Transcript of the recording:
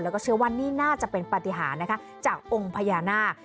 แล้วก็เชื่อว่านี่น่าจะเป็นปฏิหารนะคะจากองค์พญานาค